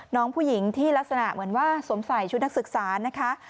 น้องผู้หญิงที่ลักษณะเหมือนว่าสวมใส่ชุดนักศึกษานะคะ